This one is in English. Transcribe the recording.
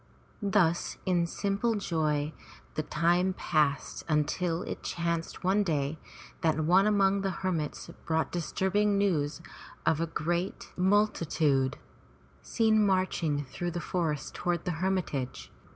Thus in simple joy the time passed by until it chanced one day that one among the hermits brought disturbing news of a great 393 MY BOOK HOUSE multitude seen marching through the forest toward the hermitage.